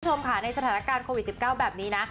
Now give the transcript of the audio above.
คุณผู้ชมค่ะในสถานการณ์โควิด๑๙แบบนี้นะ